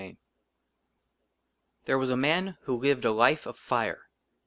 68 LXII THERE WAS A MAN WHO LIVED A LIFE OF FIRE.